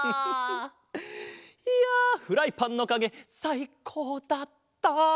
いやフライパンのかげさいこうだった！